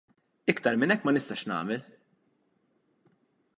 Iktar minn hekk ma nistax nagħmel.